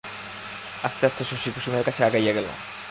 আস্তে আস্তে শশী কুসুমের কাছে আগাইয়া গেল।